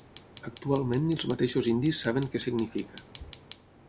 Actualment ni els mateixos indis saben que significa.